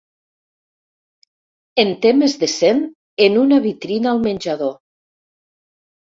En té més de cent en una vitrina al menjador.